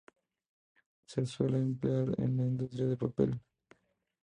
Se suele emplear en la industria del papel.